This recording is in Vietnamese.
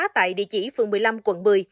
tại địa chỉ phường một mươi năm quận một mươi